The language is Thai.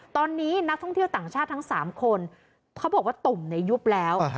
ตอนนี้นักท่องเที่ยวต่างชาติทั้ง๓คนเขาบอกว่าตุ่มยุบแล้ว